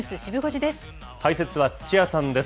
解説は土屋さんです。